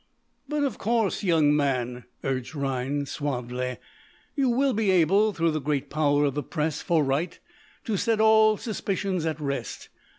"But of course, young man," urged Rhinds, suavely, "you will be able, through the great power of the press for right, to set all suspicions at rest.